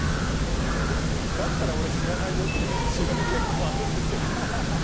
だったら俺、知らないよって週が結構あるんですよね。